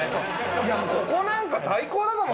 いやここなんか最高だと思うよ！